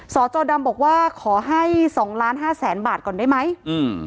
จอดำบอกว่าขอให้สองล้านห้าแสนบาทก่อนได้ไหมอืม